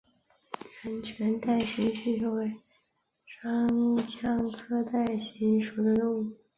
圆腺带形吸虫为双腔科带形属的动物。